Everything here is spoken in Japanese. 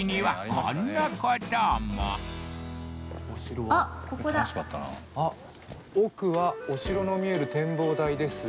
ここだあっ「奥はお城の見える展望台です」